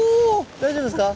大丈夫ですか？